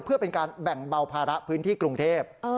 เพื่อเป็นการแบ่งเบาภาระพื้นที่กรุงเทพ